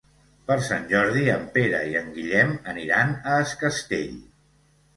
Per Sant Jordi en Pere i en Guillem aniran a Es Castell.